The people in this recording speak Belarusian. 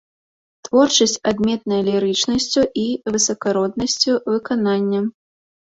Творчасць адметная лірычнасцю і высакароднасцю выканання.